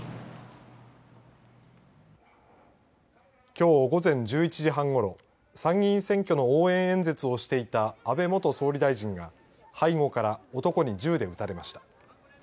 きょう午前１１時半ごろ参議院選挙の応援演説をしていた安倍元総理大臣が背後から男に銃で撃たれました。